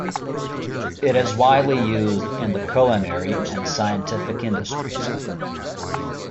It is widely used in the culinary and scientific industries.